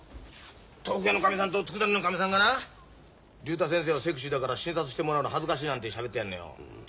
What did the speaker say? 豆腐屋のかみさんとつくだ煮屋のかみさんがな竜太先生はセクシーだから診察してもらうの恥ずかしいなんてしゃべってやがんのよ。